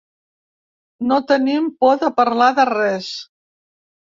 No tenim por de parlar de res.